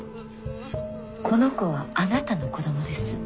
この子はあなたの子どもです。